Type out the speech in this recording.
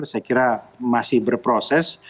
saya kira masih berproses